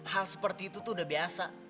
hal seperti itu tuh udah biasa